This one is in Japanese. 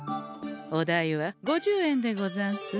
お代は５０円でござんす。